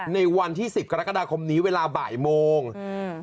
ในวันที่สิบกรกฎาคมนี้เวลาบ่ายโมงอืม